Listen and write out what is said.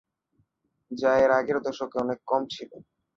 যা এর আগের দশকে অনেক কম ছিল।